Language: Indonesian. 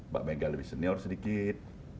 mbak mega lebih senior sedikit